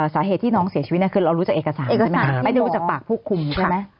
สาเหตุที่น้องเสียชีวิตคือเรารู้จักเอกสารไม่รู้จักปากผู้คุมใช่ไหม